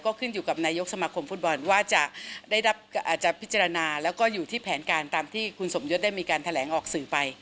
ก็ขึ้นอยู่กับนายกสมาคมฟุตบอลว่าจะได้รับอาจจะพิจารณาแล้วก็อยู่ที่แผนการตามที่คุณสมยศได้มีการแถลงออกสื่อไป